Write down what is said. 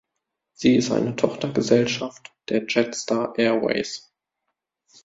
Sie ist eine Tochtergesellschaft der Jetstar Airways.